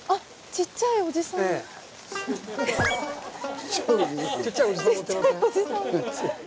ちっちゃいおじさんいる。